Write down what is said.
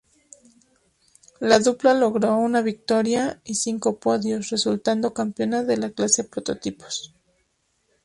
La dupla logró una victoria y cinco podios, resultando campeona de la clase Prototipos.